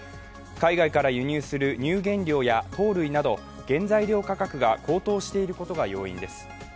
海外から輸入する乳原料や糖類など原材料価格が高騰していることが要因です。